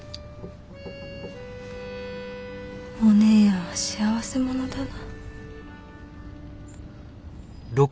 お姉やんは幸せ者だな。